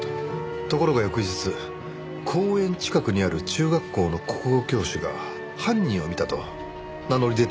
ところが翌日公園近くにある中学校の国語教師が犯人を見たと名乗り出てきたんです。